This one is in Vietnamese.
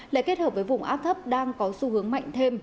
lại kết hợp với vùng áp thấp đang có xu hướng mạnh thêm